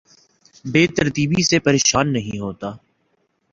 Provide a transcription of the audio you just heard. بے ترتیبی سے پریشان نہیں ہوتا